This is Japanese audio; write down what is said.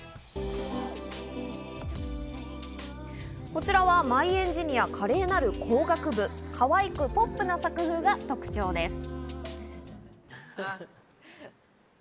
こちらは『ＭｙＥｎｊｉｎｅｅｒ華麗なる工学部』。かわいくポップな作風が特徴です。